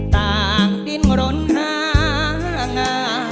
แต่อันนี้คือ